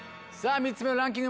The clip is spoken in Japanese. ３つ目のランキング